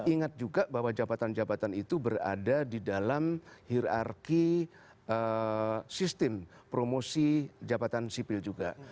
ingat juga bahwa jabatan jabatan itu berada di dalam hirarki sistem promosi jabatan sipil juga